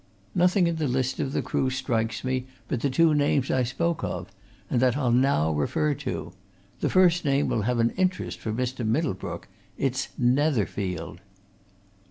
Nothing in the list of the crew strikes me but the two names I spoke of, and that I'll now refer to. The first name will have an interest for Mr. Middlebrook. It's Netherfield."